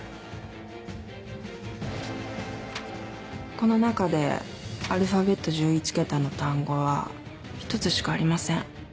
この中でアルファベット１１桁の単語は１つしかありません。